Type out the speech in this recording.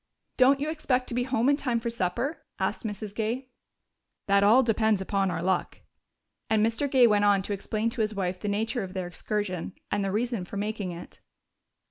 "Don't you expect to be home in time for supper?" asked Mrs. Gay. "That all depends upon our luck." And Mr. Gay went on to explain to his wife the nature of their excursion and the reason for making it.